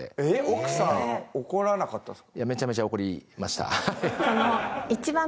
奥さん怒らなかったんですか？